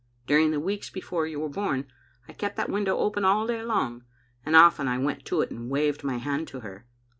During the weeks before you were bom I kept that window open all day long, and often I went to it and waved my hand to her.